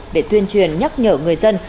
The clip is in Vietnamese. để tuyên truyền nhắc nhở người dân